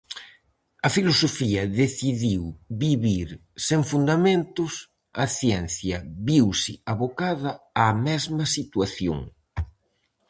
A filosofía decidiu vivir sen fundamentos, a ciencia viuse abocada á mesma situación.